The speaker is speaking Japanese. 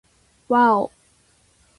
わぁお